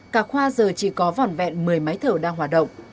cả khoa giờ chỉ có vỏn vẹn một mươi máy thở đang hoạt động